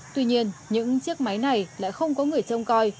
tuy nhiên những chiếc máy này lại không có người trông coi